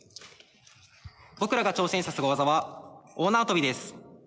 僕らが挑戦したスゴ技は大縄跳びです。